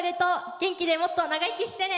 元気で、もっと長生きしてね！